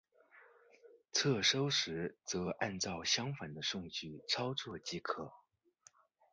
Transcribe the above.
撤收时则按照相反的顺序操作即可。